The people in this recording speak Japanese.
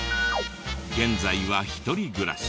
現在は１人暮らし。